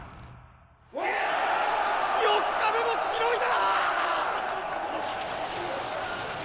四日目もしのいだァ！！